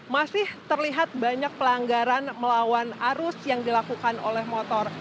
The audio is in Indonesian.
masih terlihat banyak pelanggaran melawan arus yang dilakukan oleh motor